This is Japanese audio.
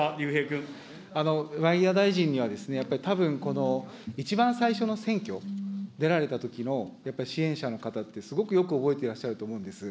山際大臣には、やっぱりたぶん、一番最初の選挙に出られたときの、やっぱり支援者の方って、すごくよく覚えていらっしゃると思うんです。